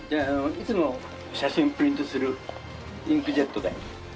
いつも写真プリントするインクジェットで。